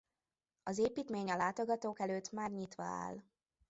Az építmény a látogatók előtt már nyitva áll.